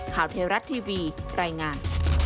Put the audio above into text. ข่าวเทราะห์ทีวีรายงาน